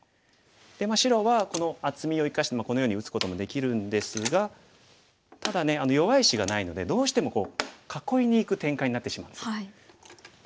白はこの厚みを生かしてこのように打つこともできるんですがただね弱い石がないのでどうしても囲いにいく展開になってしまうんです。